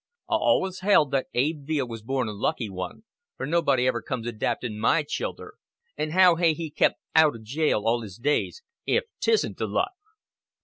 I allus held that Abe Veale was born a lucky one, fer nobody ever comes adapting my childer; an' how hey he kep' out o' jail all his days, if 'tisn't the luck?"